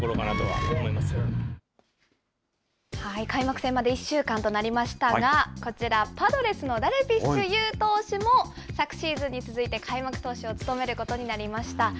開幕戦まで１週間となりましたが、こちら、パドレスのダルビッシュ有投手も、昨シーズンに続いて開幕投手を務めることになりました。